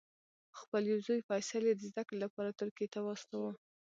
خپل یو زوی فیصل یې د زده کړې لپاره ترکیې ته واستاوه.